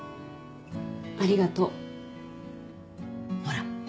ありがとう。ほら。